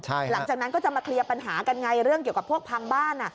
หลังจากนั้นก็จะมาเคลียร์ปัญหากันไงเรื่องเกี่ยวกับพวกพังบ้าน